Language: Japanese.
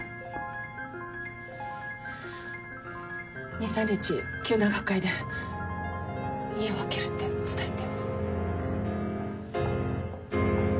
２３日急な学会で家を空けるって伝えて。